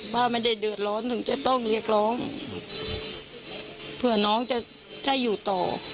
ว่าไม่ได้เดือดร้อนถึงจะต้องเรียกร้องเผื่อน้องจะได้อยู่ต่อ